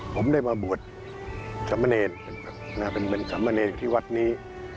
ผมได้มาบวชสำเมินเอนเป็นสำเมินเอนที่วัดนี้